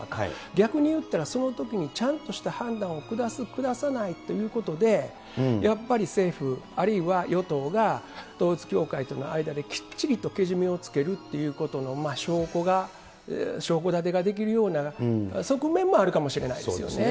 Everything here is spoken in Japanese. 逆に言ったらそのときにちゃんとした判断を下す、下さないということで、やっぱり政府、あるいは与党が統一教会との間できっちりとけじめをつけるっていうことの証拠立てができるような側面もあるかもしれないですよね。